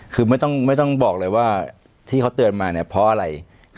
คือไม่ต้องบอกเลยว่าที่เขาเตือนมาเนี่ยเพราะอะไร